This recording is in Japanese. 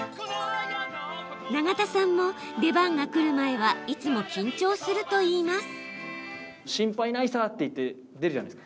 永田さんも、出番がくる前はいつも緊張するといいます。